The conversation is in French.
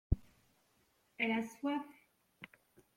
Elle a soif.